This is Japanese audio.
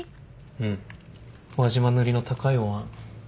うん輪島塗の高いおわん。